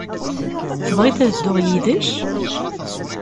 Tebɣiḍ ad dduɣ yid-k?